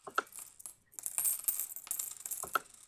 Es el tercer libro de la serie de "Theodore Boone".